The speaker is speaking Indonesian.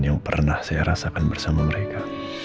yang pernah saya rasakan bersama mereka